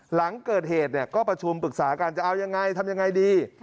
หลังเกิดเหตุก็ประชุมปรึกษากันจะเอายังไงทำยังไงดี